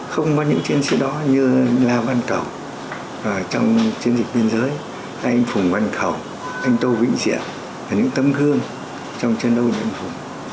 không có những chiến sĩ đó như la văn cẩu trong chiến dịch biên giới hay phùng văn cẩu anh tô vĩnh diện là những tấm gương trong chiến đấu